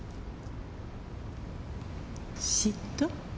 嫉妬？